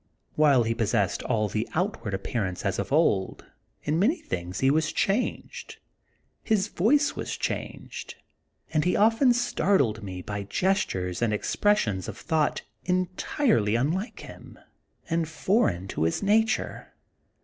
While he possessed all the outward appearance as of old, in many things he was changed. His voice was changed; and he often startled me by gestures and expressions of thought entirely unlike him, and foreign to his nature.